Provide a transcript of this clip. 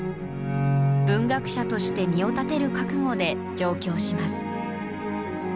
文学者として身を立てる覚悟で上京します。